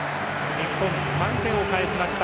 日本、３点を返しました。